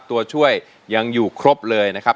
ตัวช่วยยังอยู่ครบเลยนะครับ